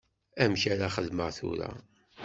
Amek ara xedmeɣ tura?